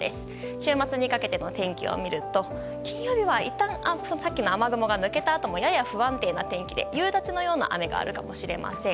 週末にかけての天気を見ると金曜日は雨雲がいったん抜けたあともやや不安定な天気で夕立のような雨があるかもしれません。